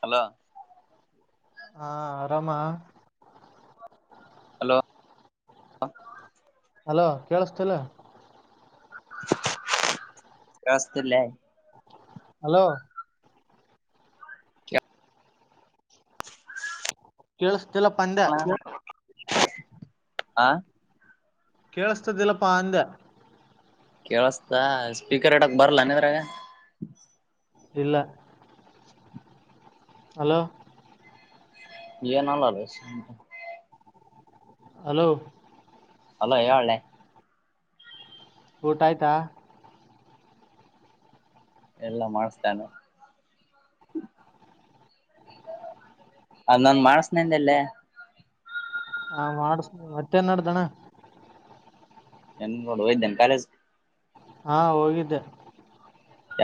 Hello ಹಾ ಆರಾಮ hello [inaudible] hello ಕೇಳುಸ್ತಿಲ್ಲೊ. ರಸ್ತುಲೆ - ಹಲೋ ಕೆೇಳುಸ್ತಿಲ ಪಂ ನಾನ [inaudible] ಆ ಕೇಳಸ್ತದಿಲ್ಲಪ್ಪಾ ಅಂದೆ. ಕೇಳುಸ್ತ ಸ್ಪೀಕರ್ ಇಡಕ್ ಬರಲ್ಲೇನಾ ಇದ್ರಗೆ. ಇಲ್ಲ ಹಲೋ ಎನ್ ಹಲೊ [unintelligible] ಹಲೋ ಹಲೋ ಹೇಳ್ಲೆ. ಊಟ ಆಯ್ತಾ. ಎಲ್ಲಾ ಮಾಡಿಸ್ತನು. ಅದ್ ನನ್ ಮಾಡಿಸ್ತೀನಂದಲ್ಲೆ. ಹಾ ಮಾಡಿಸ್ತೀನಿ ಮತ್ತೇನ್ ನೆಡ್ದಣ್ಣ. [unintelligible] ಹೊಗಿದ್ದೆನ್ ಪ್ಯಾಲೇಸ್ಗೆ. ಹಾ ಹೋಗಿದ್ದೆ.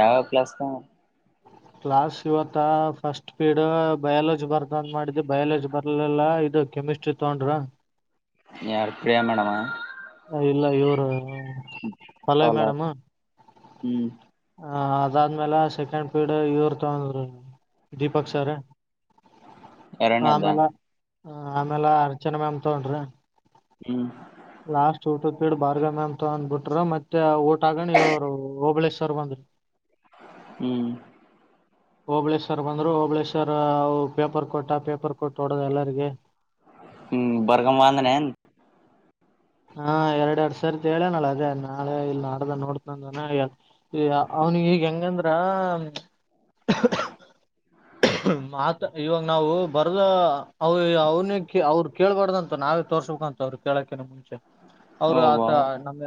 ಯಾವ ಪ್ಲೆಸ್ ಗ - ಕ್ಲಾಸ್ ಇವತ್ತ ಫಸ್ಟ್ ಪೀಲ್ಡ ಬಯಾಲಜಿ ಬರ್ ಅಂದ್ ಮಾಡಿದ್ದಿ ಬಯಾಲಜಿ ಬರ್ಲಿಲಲ್ಲಾ ಇದು ಕೆಮಿಸ್ಟ್ರಿ ತೊಗಂಡ್ರು. ಯಾರ್ ಪ್ರಿಯಾ ಮೇಡಂ ಮ. ಇಲ್ಲ ಇವ್ರು ಪಲ್ಲವಿ ಮೇಡಮ್ಮು. ಹ್ಮ್ ಹ ಅದಾದ್ಮೇಲೆ ಸೆಕೆಂಡ್ ಪೀಲ್ಡ್ ಇವ್ರು ತಗಂಡ್ರು - - ದೀಪಕ್ ಸಾರೆ ಎರಡನೇದ್ದ ಆಮೇಲೆ. ಹ ಆಮೇಲೆ ಅರ್ಚನ ಮ್ಯಾಮ್ ತಗೊಂಡ್ರು. ಹ್ಮ್ ಲಾಸ್ಟ್ ಊಟದ್ ಪೀಲ್ಡ್ ಭಾರ್ಗವಿ ಮ್ಯಾಮ್ ಅಂದ್ಬಿಟ್ರು ಮತ್ತೆ ತಗಣಿ ಅವ್ರು ಹೋಬಳೇಶ್ವರ್ ಬಂದ್ರು. ಹ್ಮ್ [inaudible] ಹೋಬಳೇಶ್ವರ್ ಬಂದ್ರು ಹೋಬಳೇಶ್ವರ ಅವು ಪೇಪರ್ ಕೊಟ್ಟ ಪೇಪರ್ ಕೊಟ್ಟು ಹೊಡದ ಎಲ್ಲರಿಗೆ. ಹ್ಮ್ ಬರ್ಗ್ ಬಂದನೆನ್ ಹಾ ಎರಡ್ ಎರಡ್ ಸರಿ ಹೇಳೇನಲ ಅದೇ ನಾಳೆ ಇಲ್ಲ ನಡ್ದು ನೋಡ್ತನಂದನ - - ಈಗ ಅವ್ನಿಗ್ ಈಗ ಹೆಂಗಂದ್ರ ಹ್ಮ ಮಾತ ಇವಾಗ ನಾವು ಬರ್ದು ಅವ ಅವನೇ ಅವ್ರು ಕೆ ಕೇಳಳ್ಬಾರ್ದಂತ ನಾವೇ ತೋರ್ಸ್ಬೇಕಂತ ಅವ್ರಿಗೆ. ಎದ್ದೇಳಗಿನ್ನ ಮುಂಚೆ ಅವ್ರು ಓಬ ಆತ ನಮ್ಮ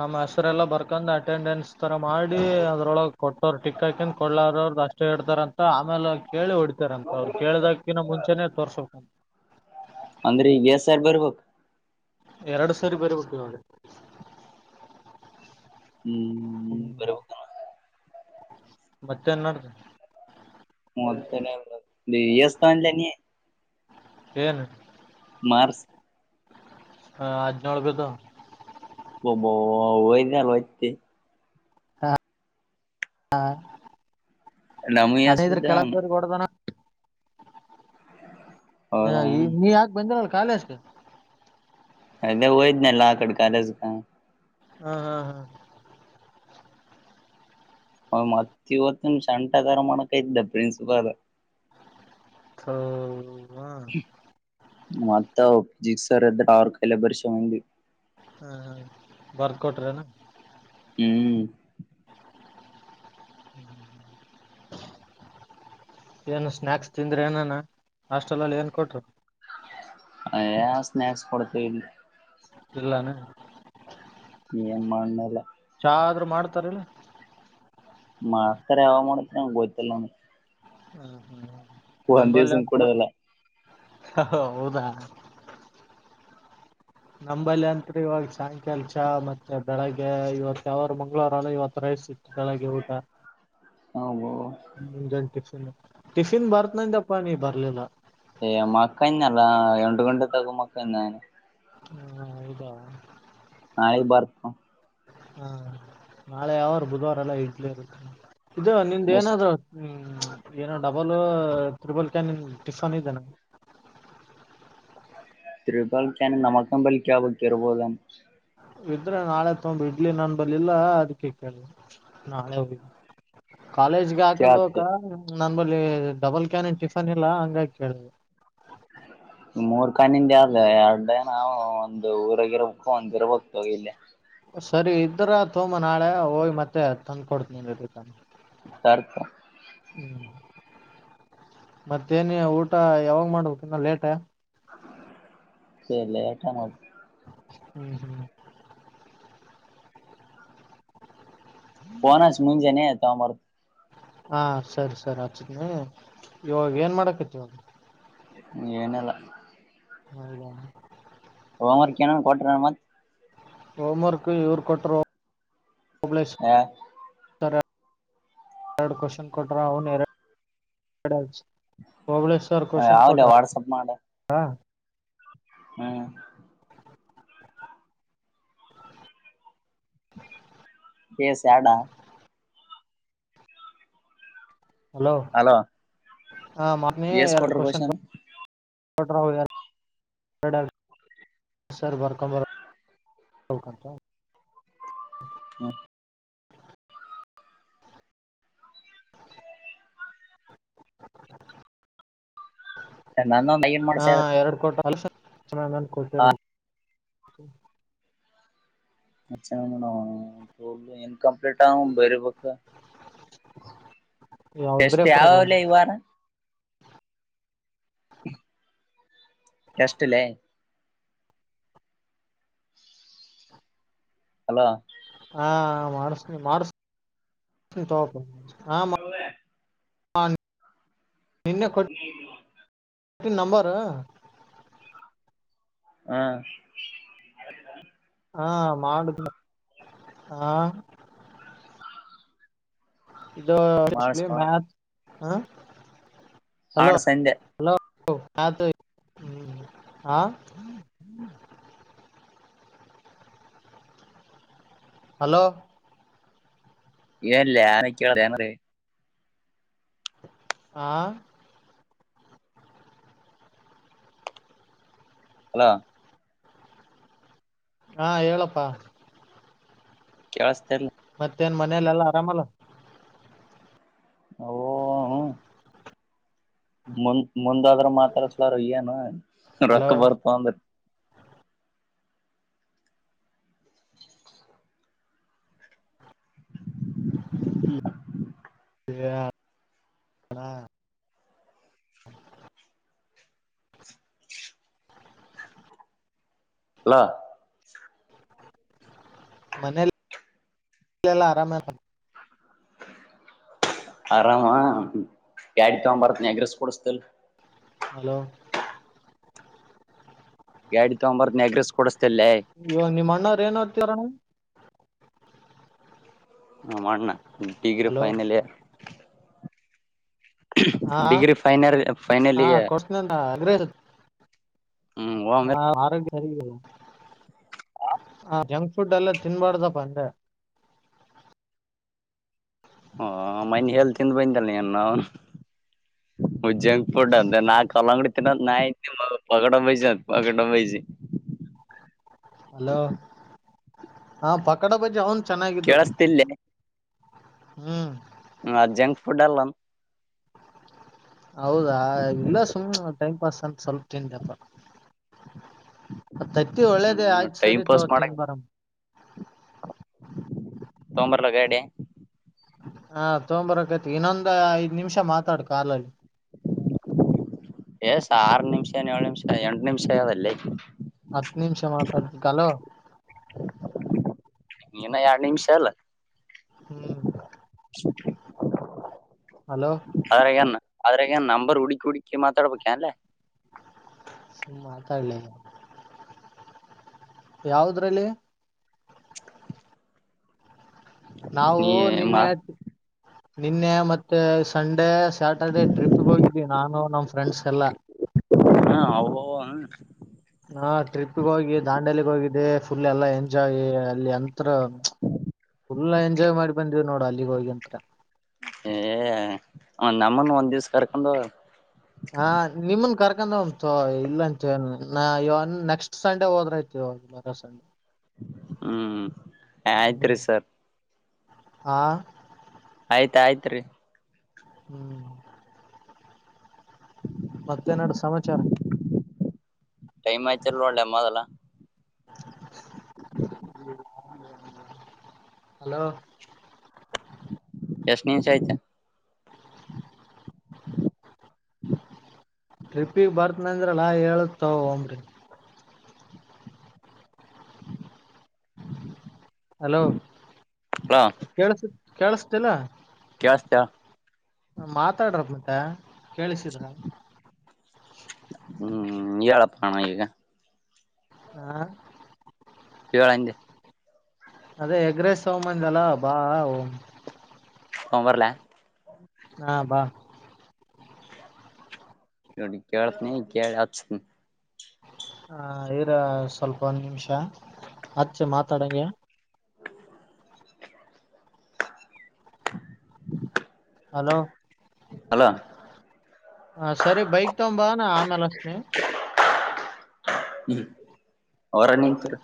ನಮ್ಮ್ ಹೆಸರೆಲ್ಲ ಬರ್ಕೊಂಡ್ ಅಟೆಂಡೆನ್ಸ್ ತರ ಮಾಡಿ ಅದ್ರೊಳಗೆ ಕೊಟ್ಟವ್ರು ಟಿಕ್ ಹಾಕೊಂಡು ಕೊಡ್ಲಾರ ಅವ್ರ್ದ ಅಷ್ಟ ಇಷ್ಟ ಹೇಡ್ತಾರ ಅಂತ ಆಮೇಲೆ ಕೇಳಿ ಹೊಡಿತಾರ ಅಂತ ಅವ್ರು ಕೇಳದಕಿಂತ ಮುಂಚೆನೇ ತೋರ್ಸಬೇಕು. ಅಂದ್ರೆ ಈಗ್ ಎಸ್ ಸರ್ ಬರ್ಬೇಕು. ಎರಡು ಸರಿ ಬರಿಬೇಕು. ಹ್ಮ್ ಹ್ಮ್ ಬರ್ಬೇಕ ಮತ್ತೆ ಏನ್ ನಡ್ರಿ ಹೂ ಮದತ್ತ ಲೇ ಎಸ್ಟ್ ತಗಂಡೆ ನೀ ಏನ್ ಮಾರ್ಚ್ ಹ ಅಡ್ನೆಲು ಬಿಡ್ವು ಒಬ್ಬ ಒಯಲ್ಲೋಯ್ತಿ ಹ ಹ ಡಮಯಸ್ ಅದೇ್ರ ಬಿದ್ದಾವನು ಕೆಳದವ್ರ ಹೊಡ್ದನ ಹ ಅವನು ಈ ನೀ ಯಾಕೆ ಬಂದಿರಲ್ಲ ಕಾಲೇಜ್ ಕ ಅಲ್ಲೇ ಹೋಗಿದ್ನಲ್ಲ ಕಾಲೇಜ್ ಕ ಹ ಹಾ ಹಾ ್ ಮತ್ತತ್ ಇವತ್ತು ನಿಮ್ಷಂಟಗಾರ ಮಾಡಕ ಇದ್ದ ಪ್ರಿನ್ಸುಪದ ಹ ಹ ಮತ್ತ ಜಿಸರ್ ಆಾವರ್ ಕಾಯಲೆ ಬರ್ಷಿಕೊಂಡು ಬಂದ್ವಿ ಹಾ ಬರ್ದ ಕೊಟ್ರೇನಾ ಹೂ ಹೂ ಏನು ಸ್ನಾಯಾಕ್ಸ್ ತಿಂದ್ರೆ ಏನಾನ ಹಾಸ್ಟೆಲ್ ಅಲ್ಲಿ ಏನ್ ಕೊಟ್ರು ಅ ಸ್ನಾಕ್ಸ್ ಕೊಡ್ತವಿ ಇಲ್ಲ ಏನ ಈನು ಮಾಡಣ್ಣೇಲ್ಲ ಚಾ ಆದ್ರರು ಮಾಡ್ತಾರಿಲ್ಲ ಮಾಡ್ತಾರೆ ಯಾವಾಗ ಮಾಡತ್ರ ನಂಗೆ ಗೋಯ್ತಲ್ಲ ಹೂ ಹೂ ಒಂದ್ ನಂಬಲ್ಲಿ ದಿವ್ಸನ್ ಒಂತ ಕೊಡೋದಿಲ್ಲ ಹೌದಾ ನಂಬಲ್ಲಿ ಅಂತತ್ೀ ಇವಾಗ ಸಾಯಂಕಾಲ ಚಾ ಮತ್ತೆ ಬೆಳಗ್ಗೆ ಇವತ್ ಯಾವರು ಮಂಗ್ಳೂರಲ್ಲ ಇವತ್ ರೈ ಸಿ ಬೆಳಗೆ ಊಟ ಹಬ ಮುಂಜಾನ ಟಿಫಿನ್ ಟಿಫಿನ್ ಬರ್ತ್್ದಪ್ಪ ನೀ ಬರ್ಲಿಲ್ಲ ಏ ಮಕ್ಕನ್ನ ಅಲ್ಲಾ ಎಂಡಕೊಂಡ ತ ಮಕ್ಕಂದನೆ ನಾನು ಹಾ ಇದ ನಾಳಗ್ ಬಾರ್ನು ಹಾ ನಾಳೆಯಾವೋ ಬುಧವಾರ ಎಲ್ಲ ಇಟ್ಲ ಇರುತ್ತೆ ಇದು ನಿಂದ ಎಷ್ಟ್ ಏನಾದ್ರು ಏನ ಡಬಲ್ ತ್ರಿಬಲ್ ಕ್ಯಾನ್ ನಿನ್ ಟಿಫನ್ ಇದೆೇನ ತ್ರಿಪಳಿಕಾನನ್ ನಮಕಂಬಲಿಕ ಬ ಇರ್ಬೋದ ಇದ್ರೆ ನಾಳೆ ತೊಂಬ ಇಡ್ಲಿ ನನ್ ಬರ್ಲಿಲ್ಲ ಅದಕ್ಕೆ ಕೇಳಿ ನಾಳೆ ಹೋಗ ಕಾಲೇಜ್ಗೆ ಹಾಕೊಂಡ್ ಕೇಳತ್ ಹೋಕ ನನ್ ಬಳಿ ಡಬಲ್ ಕ್ಯಾನಿನ್ ಟಿಫನ್ ಇಲ್ಲಾ ಹಂಗಾಗಿ ಕೇಳಿದೇ ಮೂರ್ ಕಾನಿಂದ ಅಲ್ ಎರಡು ನಾವು ಒಂದು ಊರಗ ಇರ್ಬೇಕು ಒಂದಿರ್ಬೇಕಕ್ ತಗಿ ಇಲ್ಲಿ ಸರಿ ಇದ್ರ ತೋಂಬ ನಾಳೆ ಹೋಯಿ ಮತ್ತೆ ತಂದ್ ಕೊಡ್ತನ ತ ಸರ್ಕ ಹೂ ಮತ್ತೇನ ಊಟ ಯಾವಾಗ್ ಮಾಡ್ಬೇಕ ಇನ್ನ ಲೇಟ ಸಲ್ಲ ಲೇಟ್ ಅಣ್ಣ ಹೂ ಹೂ ಪೋನ್ ಅಚ್ಚ ಮುಂಜೆ ನೀ ತಾರ್ನಿ ಹಾ ಸರಿ ಸರಿ ಅಚ್ಚನಿ ಇವಾಗ ಏನ್ ಮಾಡಕತಿ ಇವಾಗ ಏನಿಲ್ಲ ಹೌದಾ ಹೊಮರ್ಕ ಏನರ ಕೊಟ್ರ ಏನ ಮತ್ ಹೋಮ್ ವರ್ಕ್ ಇವ್ರು ಕೊಟ್ಟರು ಓಬಳೇಶ್ ಯಾ- ಸರ ಎರ್ಡು ಕ್ವಶನ್ ಕೊಟ್ಟ್ರ ಅವನ್ ಎರ ಬೌಳೇಶರ್ ಕ್ವಶನ್ ಯಾವ್ಲೆ ಕೋಟ್ರಾ ವಾಟ್ಸಪ್ ಮಾಡ ಹಾ ಹ್ಮ್ ಎಸ ಯಾಡಾ ಹಲೋ ಹಲೋ ಹ ಮನ್ನೆ ಎಸ್ ಎರಡು ಕೊಟ್ರ ಕ್ವಶನ್ [unintelligible] [unintelligible] ಸರ್ ಬರ್ಕೊಂಬರಬೇಕಂತ ಹ್ಮ ನನ್ನೊಂದ ಐನ್ ಮಾಡ್ಸ ಹಾ ಎರಡ ಕೊಟ ಅಲ [unintelligible] ಕೊಟ್ಟಿರ್ಬೆಕ್ ಚೆ ಅವನವನ್ [unintelligible] ಇನ್ಕಂಪ್ಲೀಟಾವು ಬರೀಬೇಕ್ ಯಾವ ಇಬ್ರೇ ಟೆಸ್ಟ್ ಕೊಟ್ಟಾರ ಯಾವಾಲೆ ಇವಾರ ಟೆಸ್ಟಲೇ ಹಲೋ ಹಾ ಮಾಡ್ಸನಿ ಮಾಡಸ್ ಮಾಡಿಸ್ತೀನಿ ತಗೋ ಬ್ರೋ [unintelligible] ನಿನ್ನೆ ಕೊಟ್ಟೀನಿ ನಂಬರ್ ಹಾ ಹಾ ಮಾಡುದು ಹಾ [inaudible] ಇದು ಮಾಡಸ್ ಮಾಡ [unintelligible] ಹ ಹಲೋ ಮಾಡಸ್ ಅಂದೆ ಹಲೋ ಹತು ಹ ಆ ಹಲೋ ಏನ್ಲೆ ಏನಾರ ಕೇಳು ಹಾ ಹಲೋ ಹಾ ಹೇಳಪ್ಪಾ ಕೆೇಳಿಸತ ಇಲ್ಲ ಮತ್ತೇ ನ್ ಮನೆಯಲೆೆಲ್ಲಾ ಆರಾಮಲ್ಲ ಹಓ ಮುಂದ್ ಮುಂದಾದ್ರ ಮಾತಡ್ಸಲಾರ ಏನು ಹಲೋ ರೊಕ್ಕ ಬರ್ತ ಅಂದ್ರ ಹ ಹಲೋ ಮನೆ ಆರಾಮ ಆರಾಮ ಯಾಡ್ ತಗೊ ಬರ್ತ್ನ್ಯಗ್ರೆಸ್ ಕೊಡಸ್ತಲ್ ಹಲೋ ಗಾಡಿ ತಗೊಂಬರ್ ನ ಅಗ್ರೆಸ್ ಕೊಡಿಸಸ್ತಲ್ಲೇ ಇವ ನಿಮ್ಮ ಅಣ್ಣವ್ ಏನೋಡ್ತೀರಣ ಹ ಮಾಡಣ degree hello final year degree final final year ಅ್ರ ಹ್ಮ್ ಒಮ್ಮೆ ಹ ಆರೋಗ್ಯರಿ ಹ ಜಂಕ್ ಫುಡ್ ಎಲ್ಲ ತಿನ್ಬಾರ್ದಪ್ಪ ಅಂದ್ರೆ ಹ ಮೈ ಹಳ್ ತಿದ ಬಯಂತ ನೀ ನ ಹ ಜಂಕ್ ಫುಡ್ ಅಂದ ನಾ ಕಲ್ಲಂಗಡಿ ತಿನ್ನೋ ನ [unintelligible] ಹಲೋ ಹಾ ಪಕೋಡ ಬಜಿ ಅವನು ಚೆನ್ನಾಗಿದ್ದು ಕೇಳಸ್ತಿಲ್ಲೆ ಹ್ಮ್ ಅ ಜಂಕ್ ಫುಡ್ ಅಲ್ಲನ್ ಹೌದಾ ಇಲ್ಲಾ ಸುಮ್ನೆ ಟೈಮ್ ಪಾಸ್ ಅಂತ ಸ್ವಲ್ಪ ತಿಂತೀನಿಪ್ಪ ತತ್ತಿ ಒಳ್ಳೇದ ಹ್ಮ್ ಆಯ್ತ್ ಸರಿ ತೋ ತಿನ್ ಬಿಡುಮ ತೋಂಗಬರಲಾ ಗಾಡಿ ಹಾ ತೊಂಬರಕೈತಿ ಇನ್ನೊಂದ್ ಐದ್ ನಿಮಿಷ ಮಾತಾಡು ಕಾಲಲ್ಲಿ ಏ ಆರು ನಿಮಿಷ ಏಳು ನಿಮಿಷ ಎಂಟು ನಿಮಿಷ ಆಗೆದಲ್ಲೇ ಹತ್ತು ನಿಮಿಷ ಮಾತಾಡ್ತ ಹಲೋ ಇನ್ನ ಎರಡ್ ನಿಮಿಷ ಅಲ್ಲ ಹ್ಮ್ [inaudible] ಹಲೋ ಅದ್ರಾಗೆನ್ ಆದ್ರಾಗನ್ ನಂಬರ್ ಹುಡಕಿ ಹುಡಕಿ ಮಾತಾಡ್ಬೇಕ ಎನ್ಲೇ ಮಾತಾಡ್ಲೆ ಯಾವದ್ರಲ್ಲಿ ನಾವು ನೀ ಮಾ ನಿನ್ನೆ ನಿನ್ನೆ ಮತ್ತೆ ಸಂಡೇ ಸ್ಯಾಟರ್ಡೆೇ ಟ್ರಿಪ್ಗೆ ಹೋಗಿದ್ದೀವಿ ನಾನು ನಮ್ ಫ್ರೆಂಡ್ಸ್ ಎಲ್ಲಾ ಹಾ ಹ ಓ ಹಾ ಹಾ ಟ್ರಿಪ್ಗೆ ಹೋಗಿ ದಾಂಡಲಿಗ್ ಹೋಗಿದೆ ಫುಲ್ ಎಲ್ಲಾ ಎಂಜಾಯ್ ಅಲ್ಲಿ ಅಂತ ಫುಲ್ ಎಂಜಾಯ್ ಮಾಡಿ ಬಂದಿವ ನೋಡ ಅಲ್ಲಿಗೆ ಹೋಗಿಂತರ ಏ ಒ ನಮ್ಮನ್ ಒಂದ್ ದಿವ್ಸ ಕರ್ಕೊಂಡ ಹಾ ನಿಮನ್ ಕರ್ಕೊಂಡ ಅಂತ ಇಲ್ಲ ಅಂತ ಏನ್ ಇವ ನೆಕ್ಸ್ಟ್ ಸಂಡೆ ಹೋದ್ರತಿವ [unintelligible] ಹ್ಮ್ ಹ್ಮ್ ಆಯ್ತ್ರಿ ಸರ್ ಹಾ ಆಯ್ತ ಆಯ್ತ್ ರೀ ಹ್ಮ್ ಮತ್ತೆ ಎನ್ ನಡದ ಸಮಾಚಾರ ಟೈಮ್ ಆತ್ತಿಲ್ಲ ನೋಡ್ಲೆ ಮೊದಲ್ಲ ಹಲೋ ಎಷ್ಟ್ ನಿಮಿಷ ಆಯ್ತ ಟಿಪ್ಪಿಗೆ ಬರ್ತನ ಅಂದ್ರಲ್ಲಾ ಹೇಳತಾವ ಒಂಬ್ರಿ ಹಲೋ ಹಲೋ ಕೇಳಸ ಕೇಳಸತಿಲ್ಲ ಕಳಸ್ತ ಮಾತಾಡ್ರಪ್ಪ ಮತ್ತ ಕೇಳಿಸಿದ್ರ ಹ್ಮ್ ಹೇಳಪ್ಪ ಅಣ ಈಗ ಹಾ ಹೆಳ ಅಂದೆ ಅದೇ ಎಗ್ರೆಸ್ ತೋಬಂದಿ ಅಲ್ಲ ಬಾ ತಗೊಂಡ್ ಬರ್ಲಾ ಹಾ ಬಾ ಎಡಿ ಕೇಳ್ತನ ಕೇಳಿ ಹಸ್ತನ್ ಹ ಇರಾ ಸ್ವಲ್ಪ ಒಂದ್ ನಿಮಿಷ ಅಚ್ಚೆ ಮಾತಾಡಗೆ. ಹಲೋ ಅಲೋ ಹ ಸರಿ ಬೈಕ್ ತಗೊಂಬಾ ನ ಆಮೇಲಚ್ಚ್ತಿನಿ. ಹ್ಮ ಅವರ ನಿಂತೀರ.